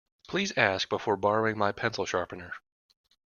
Please ask before borrowing my pencil sharpener.